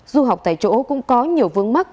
du học tại chỗ cũng có nhiều vương mắc